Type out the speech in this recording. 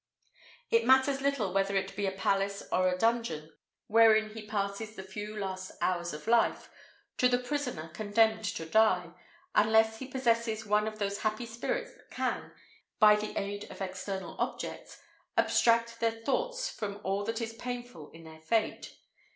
It matters little whether it be a palace or a dungeon wherein he passes the few last hours of life, to the prisoner condemned to die, unless he possesses one of those happy spirits that can, by the aid of external objects, abstract their thoughts from all that is painful in their fate.